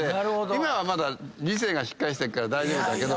今は理性がしっかりしてっから大丈夫だけど。